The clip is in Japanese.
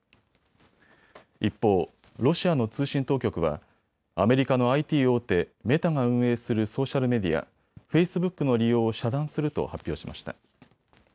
一方、ロシアの通信当局はアメリカのＩＴ大手、メタが運営するソーシャルメディア、フェイスブックの利用を遮断すると発表しました。